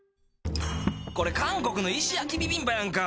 これ韓国の石焼ビビンパやんか。